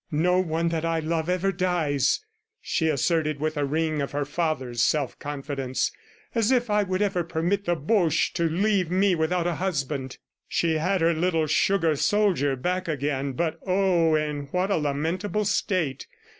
"No one that I love, ever dies," she asserted with a ring of her father's self confidence. "As if I would ever permit the Boches to leave me without a husband!" She had her little sugar soldier back again, but, oh, in what a lamentable state!